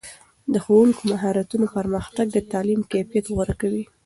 د ښوونکو د مهارتونو پرمختګ د تعلیم کیفیت غوره کوي.